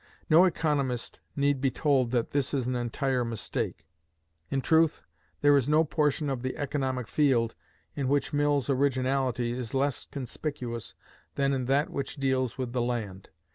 No economist need be told that this is an entire mistake. In truth, there is no portion of the economic field in which Mill's originality is less conspicuous than in that which deals with the land.